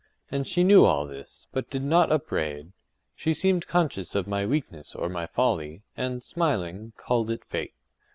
And she knew all this, but did not upbraid; she seemed conscious of my weakness or my folly, and, smiling, called it Fate.